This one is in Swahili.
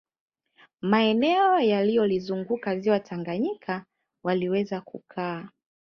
Maeneo yanayolizunguka ziwa Tanganyika waliweza kukaa